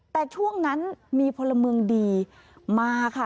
แต่ช่วงนั้นมีพลเมืองดีมาค่ะ